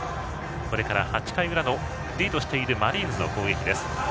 これから８回裏のリードしているマリーンズの攻撃です。